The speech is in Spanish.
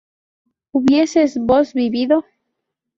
¿hubieses vos vivido?